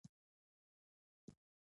یوازې پنځه ویشت تنه ژوندي پاتې نه سول.